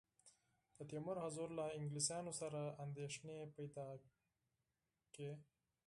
د تیمور حضور له انګلیسیانو سره اندېښنې پیدا کړې.